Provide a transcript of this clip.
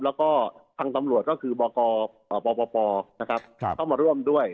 แล้วก็ทางตำรวจก็คือบกปปเข้ามาร่วมด้วย